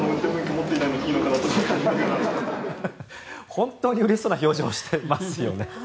本当にうれしそうな表情をしていますよね。